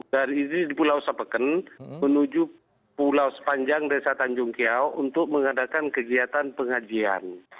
dari ini di pulau sapeken menuju pulau sepanjang desa tanjung kiau untuk mengadakan kegiatan pengajian